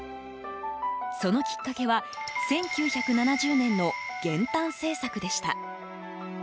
そのきっかけは１９７０年の減反政策でした。